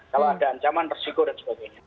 kalau ada ancaman resiko dan sebagainya